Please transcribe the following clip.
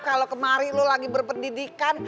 kalo kemari lo lagi berpendidikan